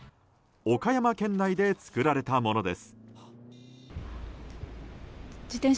岡山県内で作られたものです。